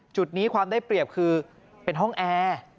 จุดนี้ความได้เปรียบคือเป็นห้องแอร์